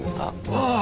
ああ。